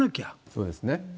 そうですね。